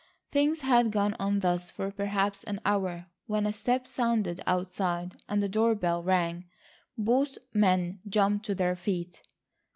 Things had gone on thus for perhaps an hour when a step sounded outside and the door bell rang. Both men jumped to their feet.